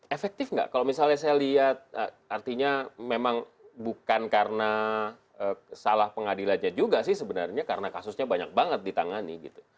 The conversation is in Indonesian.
efektif nggak kalau misalnya saya lihat artinya memang bukan karena salah pengadilannya juga sih sebenarnya karena kasusnya banyak banget ditangani gitu